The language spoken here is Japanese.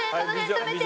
止めて！